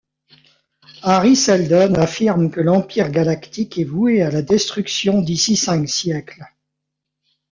Hari Seldon affirme que l'empire galactique est voué à la destruction d'ici cinq siècles.